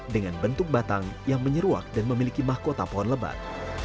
dengan bentuk batang yang menyeruak dan memiliki mahkota pohon lebat